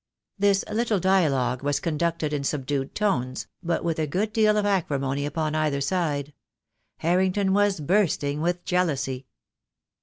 This little dialogue was conducted in subdued tones, but with a good deal of acrimony upon either side. Harrington was bursting with jealousy.